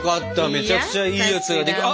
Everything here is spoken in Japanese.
めちゃくちゃいいやつができ。